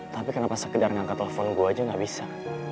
tapi kenapa sekedar ngangkat telepon gue aja gak bisa